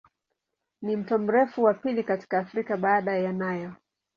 Ni mto mrefu wa pili katika Afrika baada ya Nile.